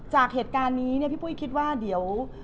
จากเหตุการณ์นี้เนี่ยพี่ปุ้ยคิดว่าเดี๋ยว